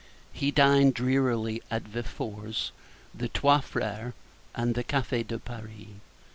He dined drearily at Véfour's, the Trois Frères, and the Café de Paris.